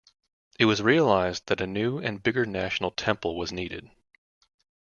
It was realised that a new and bigger national temple was needed.